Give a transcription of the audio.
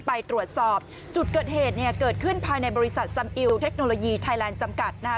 ไปตรวจสอบจุดเกิดเหตุเนี่ยเกิดขึ้นภายในบริษัทซัมอิวเทคโนโลยีไทยแลนด์จำกัดนะคะ